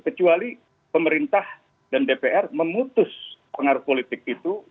kecuali pemerintah dan dpr memutus pengaruh politik itu